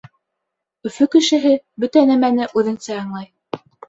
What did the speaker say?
Өфө кешеһе бөтә нәмәне үҙенсә аңлай.